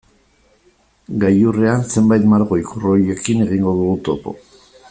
Gailurrean zenbait margo-ikur horirekin egingo dugu topo.